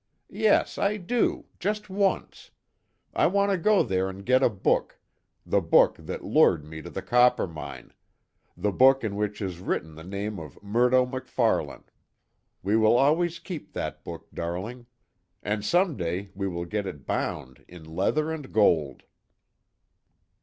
Yes, I do just once. I want to go there and get a book the book that lured me to the Coppermine the book in which is written the name of Murdo MacFarlane. We will always keep that book, darling. And some day we will get it bound in leather and gold."